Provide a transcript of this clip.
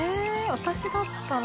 私だったら。